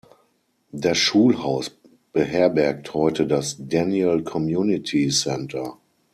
Das Schulhaus beherbergt heute das "Daniel Community Center".